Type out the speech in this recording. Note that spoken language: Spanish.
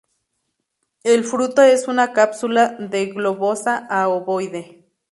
El fruto es una cápsula de globosa a ovoide.